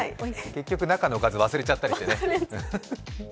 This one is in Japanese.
結局、中のおかず忘れちゃったりしてね。